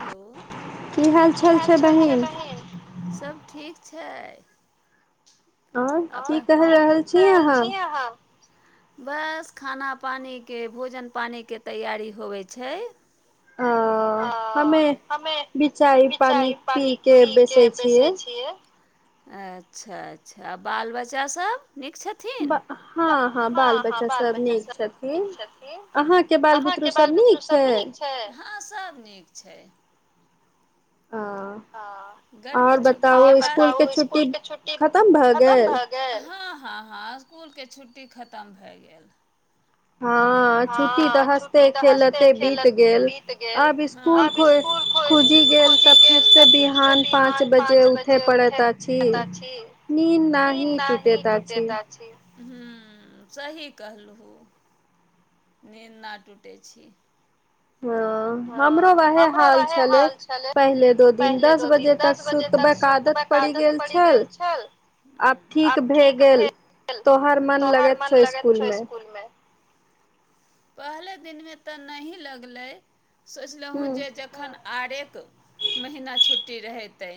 Hello, की हाल चाल छै बहिन, सब ठीक छै। और की कहि रहल छी अहाँ? बस, खाना पानिके, भोजन पानिके तैयारी होबइ छै। ओ हमे भी चाय पानि पी के बैसई छियै अच्छा अच्छा आ बाल बच्चासभ नीक छथिन हँ हँ बाल बच्चा सब नीक छथिन अहाँके बाल बुतरु सब नीक छै नीक छै और बताउ इसकुलके छुट्टी खतम भ गेल हां हां, इसकुलके छुट्टी खतम भए गेल। हां छुट्टी त हँसते खेलते बीत गेल, अब स्कुल खो खुजी गेल त फिर से बिहान पाच बजे उठे पड़ैत अछि, निंद नै टुटैत अछि। हूं सही कहलहु नींद ना टूटे छी ओऽ हमरो वहे हाल छलै पहिले दो दिन दस बजे तक सुतबैके आदत पड़ि गेल छल आब ठीक भे गेल तोहर मन लगैत छौ ईसकुल मे पहले दिन मे तऽ नहि लगलै। सो लहुँ जे जखन आर एक महीना छुट्टी रहेतै।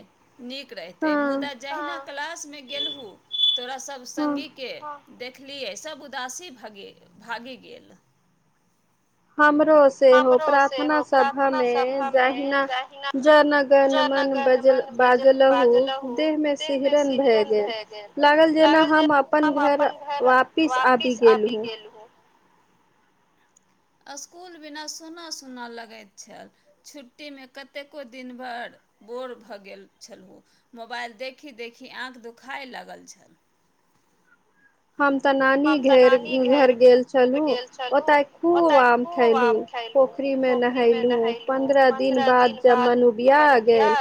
नीक रहितै मुदा जहिना क्लासमे गेलहु तोरा सभ सङ्गीके देखलियै सभ उदासी भगि भागि गेल। हमरो सेहो प्रार्थना सभा मे जहिना जन गन मन बजल बाजलहु देह मे सेिहरन भए गेल लागल जेना हम अपन घर वापिस आबि गेलहु। अस्कुल बिना सुना सुना लगैत छल छुट्टीमे कतेको दिन भर बोर भऽ गेल छलहुँ मोबाइल देखी देखी आँख दुखाय लागल छल। हम तऽ नानी घेर घर गेल छलहुँ ओतय खूब आम खयलहुॅं पोखरिमे नहेलहुॅं पन्द्रह दिन बाद जब मन ऊबिया गेल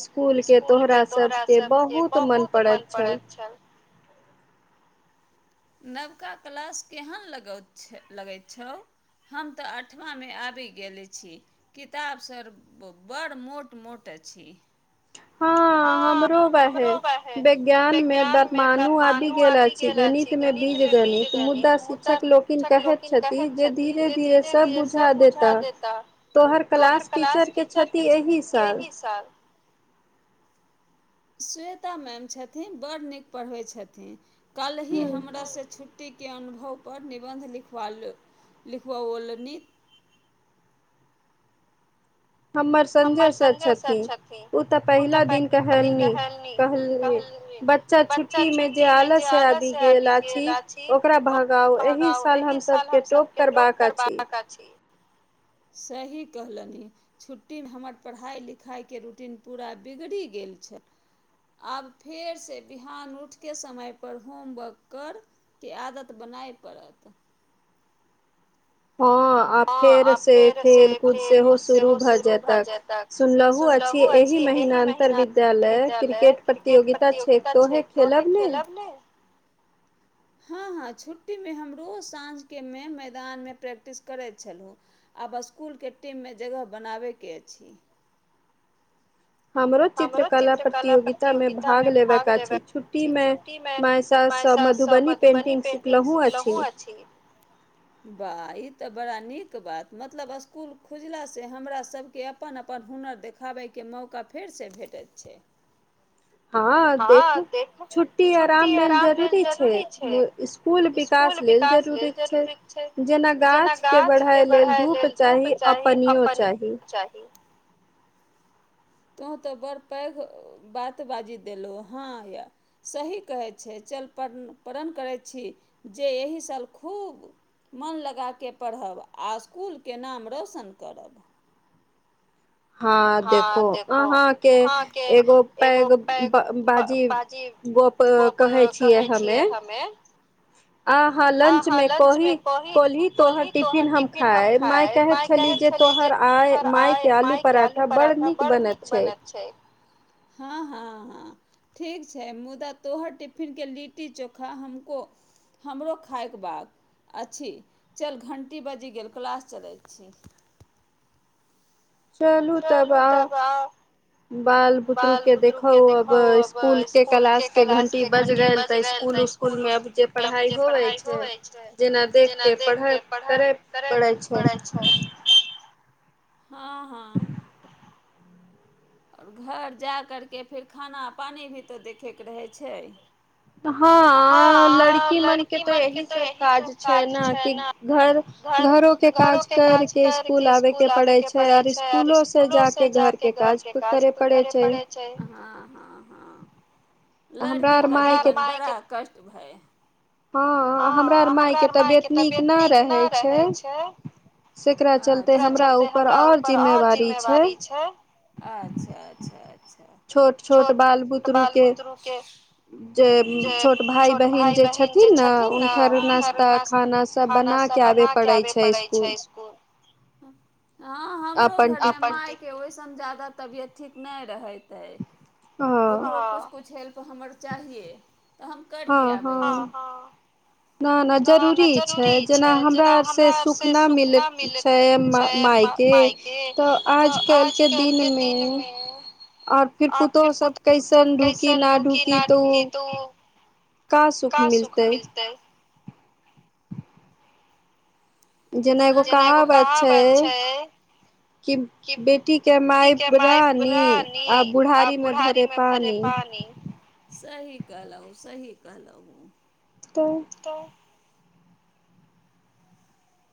इसकुलके तोहरा सभके बहुत मन पड़ैत छल। नवका क्लास केहन लगौत छ लगैत छौ हम तऽ अठमामे आबि गेल छी किताब सब बड़ मोट मोट अछि। हँ हमरो वैहे विज्ञानमे परमाणु आबि गेल अछि गणितमे बीज गणित मुदा शिक्षक लोकिन कहैत छथि जे धीरे धीरे सभ बुझा देताह तोहर क्लास टीचरके छथि एहि साल श्वेता मैम छथिन बड़ नीक पढ़बै छथिन। कल ही हमरासँ छु ी के अनुभव पर निबन्ध लिखवा लिखवओल नित हमर संजय सर छथिन ऊ तऽ पहिला दिन कहलन कहलनि बच्चा छुट्टीमे जे आलससँ आबि गेल अछी ओकरा भगाउ एहि साल हमसभके टोप करबाक अछी। सही कहलंनी छुटी रूटीन हमर पढ़ाइ लिखाइके रूटीन पूरा बिगड़ि गेल छल आब फेरसँ बिहान उठके समय पर होमवर्क करके आदत बनाय पड़त। हँ आ फेरसँ खेल कूद सेहो शुरू भऽ जेतक सुनलहुँ अछि एहि महिना अंतर विद्यालय क्रिकेट प्रतियोगिता छै तोहे खेलब नहि हँ हँ छुट्टीमे हमरोज साँझके मे मैदानमे प्रैक्टिस करै छलहुँ आब असकुलके टीम्मे जगह बनाबैके अछि हमरो चित्रकला प्रतियोगिता मे भाग लेब छै, छुट्टी मे माय सासस मधुबनी पेंटिंग सिखलहु अछि ई तऽ बड़ा नीक बात मतलब असकूल खुजला से हमरा सबके अपन अपन हुनर देखाबैके मौका फेरसँ भेटैत छै। हँ देखू छुट्टी आराम लेल जरूरी छै इसकुल विकास लेल जरूरी छै जेना गाछके बढ़य लेल धूप चाही आ पनिओ चाही। तों तऽ बड़ पैघ बात बाजि देलहो हँ यए सही कहैत छै चल प प्रण करैत छी जे एहि साल खूब मन लगा के पढ़ब आ इसकुलके नाम रौशन करब। हँ देखो अहाँके एगो पैघ ब बाजी गप कहै छियै हमे आ हा लंच में कह कहली तोहर टिफिन हम खाय माय कहे छली तोहर माय के आलू पराठा बड़ नीक बनैत छै। हां हां हां, ठीक छै मुदा तोहर टिफिन के लिट्टी चोखा हमको हमरो खाएके बाद अछि, चल घण्टी बजि गेल क्लास चलै छी। चलू तबऽ आ बाल बुतरूके देखौ अब इसकुलके कलासके घण्टी बज गेल तऽ इसकुल उस्कुलमे अब जे पढ़ाइ होवै छै जेना देख कऽ पढ़य करय पड़ै छै। हां हां। और घर जा कर के फेर खाना पानि भी त देखयके रहै छै। हां, लड़की मने त यही सब काज छै ने घर घरो के काज कर के स्कुल आबे के पड़े छै और स्कुलो से जा के घर के आज पुत्तर पड़े छै। लड़की के जीवन बिना कष्ट त भाय हां, लड़की मने त यही सब काज छै ने घर घरो के काज कर के स्कुल आबे के पड़े छै और स्कुलो से जा के घर के छोट छोट बाल बुतरु के जे छोट भाय बहिन जे छथिन ने थिन ने हुनका सब वास्ते खाना सब बना के आबे पड़े छै इसकुल। हां। हां हमरो घर खाना बनाय के अबै छियै। हम जादा तबियत ठीक नहि रहैत ते, ओकरो कुछ हेल्प। त हमर चाहिेये। त हम कर के आबे छी। न नहि जरूरी छै, जेना हमरा आरसँ सुख नहि मिलै छै मायके त आजकलके दिनमे आ फेर पुतहुसभ कैसन ढुकी न ढुकी त ओ का सुख मिलतै तै। जेना एगो कहावत छै, कि बेटी के माय बने रानी आ बूढ़ारी मे भरे पानी। कहलहुं, सही कहलहुं। त।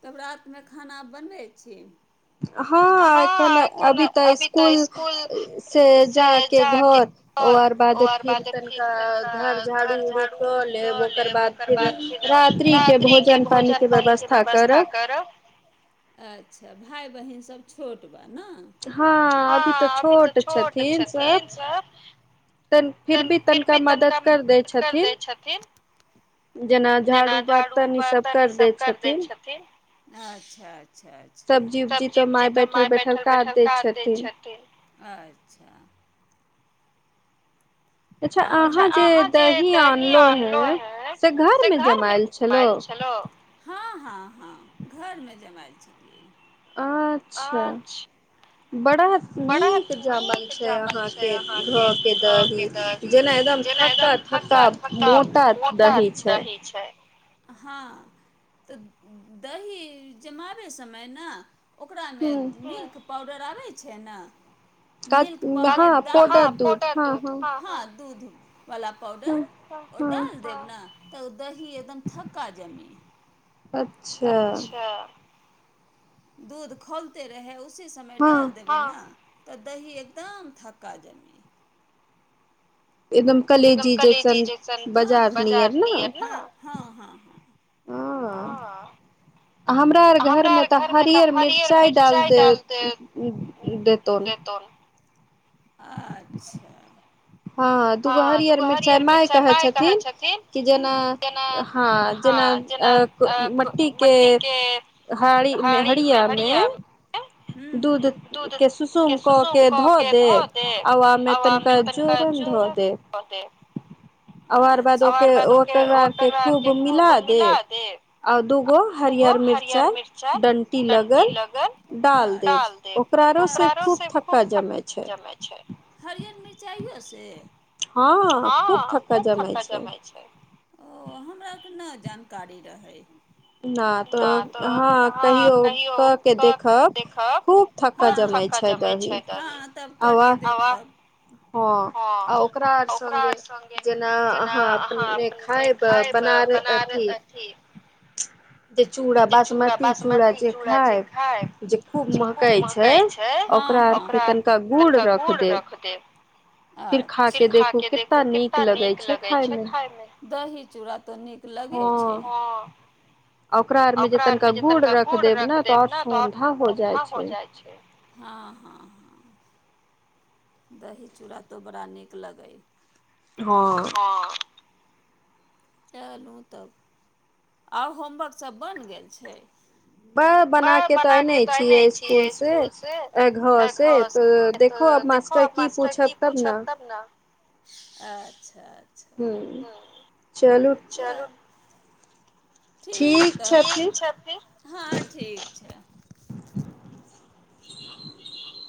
तब रातिमे खाना बनबै छी? हँ एखन अभी त स्कुल से जा के बाद घर और फिर तनिका घर झाड़ु उड़ू क लेब ओकर बाद फिर रात्रि के भोजन पानी के व्यवस्था हां करब। अच्छा। भाय बहिन सब छोट हँ अभी त छोट छथिन सब त फिर भी तनिका मदद कर दै छथिन जेना झाड़ू बर्तन ई सब कर दै छथिन। अच्छा अच्छा। सब्जी उबजी तब जी जीतो माय बैठल बैठल क दै छथिन। अच्छा। अच्छा अहाँ जे दही आनलहु हे से घरमे जमएल छलहु। हां घरमे जमाएल छलियै। अच्छा। बड़ा नीक जामल छै अहााँके घर के दही, जेना एकदम थका थका मोटा दही छै। हँ तऽ दही जमब समय ने। ओकरा मे मिल्क पाउडर। बै। छैना। मिल्क पडर दूध। [unintelligible] वला पाउडर ओ डाल देब ने हां। तऽ दही एकदम थका जम। अच्छा। दूध खोलते रहै उस। उी समय डाल देब। तऽ दही एकदम थका जमी। एकदम कलजी जैसन बाजार नियर ने। हँ हँ हँ। हँ। हमरा अर घरमे तऽ हरियर मिरचाइ डालि दे देतौन। अच्छा। हँ दूगो हरियर मिरचाई माय कहे छथिन कि जेना हँ जेना मट्टी के हड़िया मे दूध के सुसुम कऽ के धो देब आ मे तनिका। जोर बत। [unintelligible] आकर बाद ओ ओकर के खूब मिला देब आगो हरियर मिरचाइ डंटी लगल डाल देब ओकरो से खूब थक ज छै हरियर मिरचाइ। छ। [unintelligible] हँ खूब थका जमाय छै। ओ हमरा तऽ नहि जानकारी रहै। न तऽ हँ कहियो कऽ के देखब खूब थका जमाै छै दही आ वाह। हँ आ ओकरा आर सङगे जेना अहाँ अपने खााय बना अथी। जे चूड़ा बासमती चूड़ा जे खाय जे खूब मह्कइ छै ओकरारके तनिका गुड़ रख देब फिर खा के देखू कितना नीक लगे छै खाय मे। दही चूड़ा। त नीक लगै छै, ओकरा आर मे जे तनिका गुड़ रख देब ने त ठंडा हो जाइ छै। ह ह दही चूड़ा तऽ बड़ा नीक लगै। हँ। चलू तब। आब होमवर्क सभ बनि गेल छै। त बना के त अयने छियै इसकुल से घर से त देखहो आब मास्टर की पूछब तब ने। अच्छा। हुं चलु। ठीक, ठीक छै फिर, हँ ठीक छै। [unintelligible]